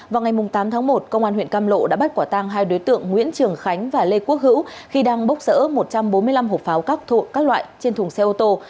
vào ngày tám tháng một công an huyện cam lộ đã bắt quả tang hai đối tượng nguyễn trường khánh và lê quốc hữu khi đang bốc rỡ một trăm bốn mươi năm hộp pháo các loại trên thùng xe ô tô